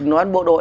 nói bộ đội